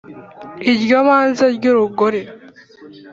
Iryo banze ry'urugori